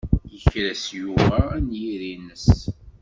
Yekres Yuba anyir-nnes.